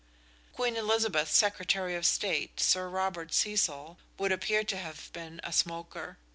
Queen Elizabeth's Secretary of State, Sir Robert Cecil, would appear to have been a smoker.